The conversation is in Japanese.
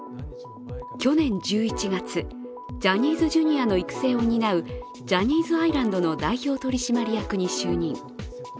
去年１１月、ジャニーズＪｒ．の育成を担うジャニーズアイランドの社長に就任。